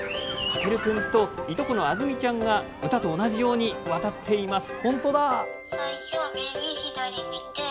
駆君と、いとこのあづみちゃんが歌と同じように渡っています。